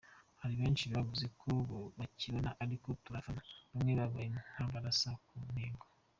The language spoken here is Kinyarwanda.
Hari benshi bavuze uko bakibona ariko turafata bamwe babaye nk’abarasa ku ntego.